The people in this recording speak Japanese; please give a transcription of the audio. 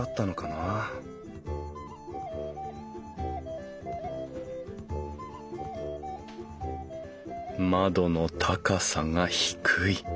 あ窓の高さが低い。